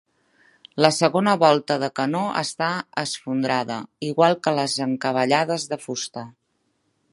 La segona volta de canó està esfondrada, igual que les encavallades de fusta.